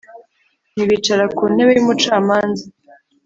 ntibicara ku ntebe y’umucamanza,